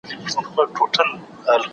رېبو به هغه چي مو کرلي